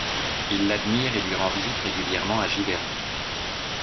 Il l’admire et lui rend visite régulièrement à Giverny.